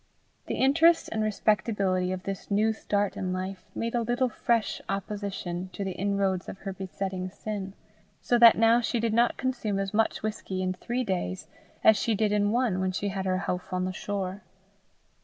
The interest and respectability of this new start in life, made a little fresh opposition to the inroads of her besetting sin; so that now she did not consume as much whisky in three days as she did in one when she had her houff on the shore.